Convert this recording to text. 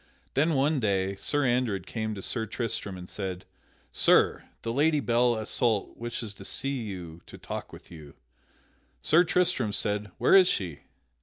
Then one day Sir Andred came to Sir Tristram and said: "Sir, the Lady Belle Isoult wishes to see you to talk with you." Sir Tristram said, "Where is she?"